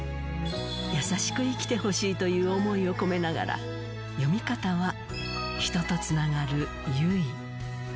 優しく生きてほしいという思いを込めながら、読み方は人とつながるゆい。